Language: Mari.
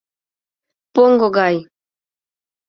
— Поҥго гай.